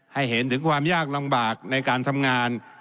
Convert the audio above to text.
เห็นถึงความยากลำบากในการทำงาน